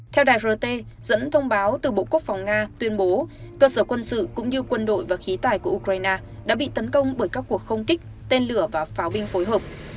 theo đài rt dẫn thông báo từ bộ quốc phòng nga tuyên bố cơ sở quân sự cũng như quân đội và khí tài của ukraine đã bị tấn công bởi các cuộc không kích tên lửa và pháo binh phối hợp